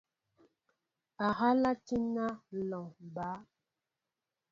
Ahala tína a lɔŋ baá.